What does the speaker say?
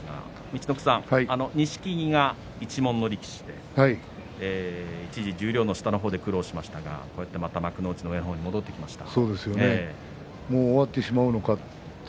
陸奥さん、、錦木が一門の力士で一時、十両の下の方で苦労しましたがこうやって幕内に戻ってきました。